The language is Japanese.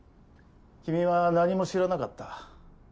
君は何も知らなかった。